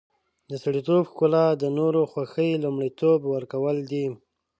د سړیتوب ښکلا د نورو خوښي لومړیتوب ورکول دي.